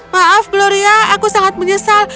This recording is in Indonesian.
maaf gloria aku sangat menyesal